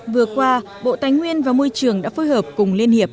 vừa qua bộ tài nguyên và môi trường đã phối hợp cùng liên hiệp